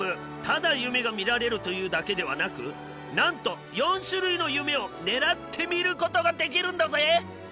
ただ夢が見られるというだけではなくなんと４種類の夢を狙って見る事ができるんだぜ！